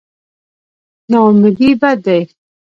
نااميدي بد دی.